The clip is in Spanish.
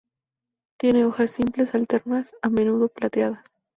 Tiene hojas simples, alternas, a menudo plateadas.